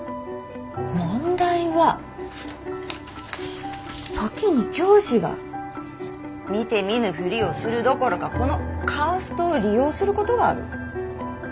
問題は時に教師が見て見ぬふりをするどころかこのカーストを利用することがある。